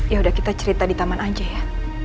yaudah kita cerita di taman aja ya